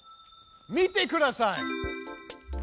見てください！